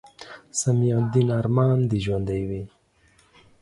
سمیع الدین ارمان دې ژوندے وي